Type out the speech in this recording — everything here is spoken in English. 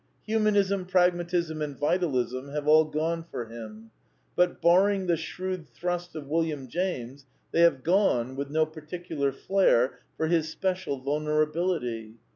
Humanism, Pragmatism and I Vitalism have all "gone for" him; but, barring the 1 shrewd thrusts of William James, they have " gone " with I no particular " flair " for his special vulnerability.